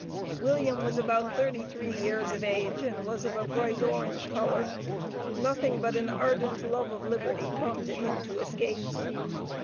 William was about thirty three years of age, and was of a bright orange color. Nothing but an ardent love of liberty prompted him to escape.